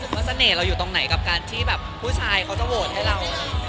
ว่าเสน่ห์เราอยู่ตรงไหนกับการที่แบบผู้ชายเขาจะโหวตให้เรา